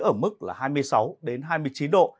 ở mức là hai mươi sáu hai mươi chín độ